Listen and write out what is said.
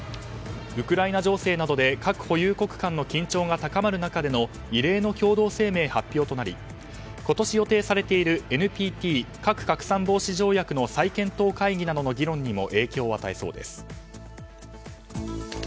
ウクライナ情勢などで核保有国間の緊張が高まる中での異例の共同声明発表となり今年予定されているＮＰＴ・核拡散防止条約の再検討会議などの議論にも影響を与えそうです。